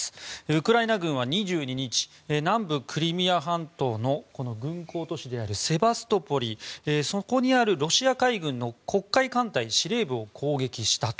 ウクライナ軍は２２日南部クリミア半島の軍港都市セバストポリそこにあるロシア海軍の黒海艦隊司令部を攻撃したと。